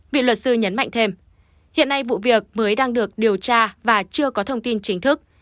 viện luật sư nhấn mạnh thêm hiện nay vụ việc mới đang được điều tra và chưa có thông tin chính thức